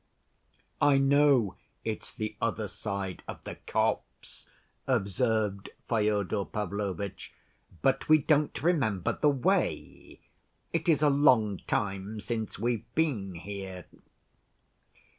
"I know it's the other side of the copse," observed Fyodor Pavlovitch, "but we don't remember the way. It is a long time since we've been here."